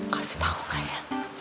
kasih tahu kak ya